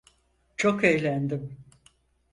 Çok eğlendim.